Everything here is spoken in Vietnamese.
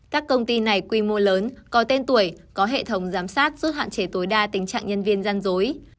các công ty này quy mô lớn có tên tuổi có hệ thống giám sát giúp hạn chế tối đa tình trạng nhân viên gian dối